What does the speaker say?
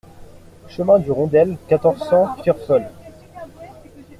Chemin du Rondel, quatorze, cent Firfol